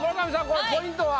これポイントは？